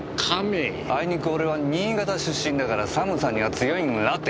あいにく俺は新潟出身だから寒さには強いんらて。